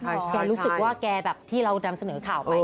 แกรู้สึกว่าแกรู้แบบที่เรามันแสน์นอข่าวไป